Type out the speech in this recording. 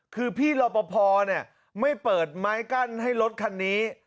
คือพี่รอปภไม่เปิดไม้กั้นให้รถคันนี้